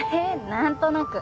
何となく。